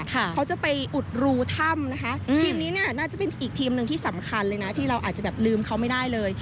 เขาจะไปอุดรูถ้ำนะคะทีมนี้เนี่ยน่าจะเป็นอีกทีมหนึ่งที่สำคัญเลยนะที่เราอาจจะแบบลืมเขาไม่ได้เลย